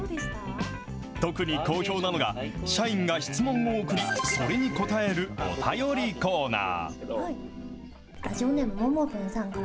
特に好評なのが、社員が質問を送り、それに答えるお便りコーナー。